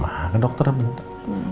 makan dokter bentar